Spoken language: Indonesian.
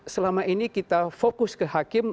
selama ini kita fokus ke hakim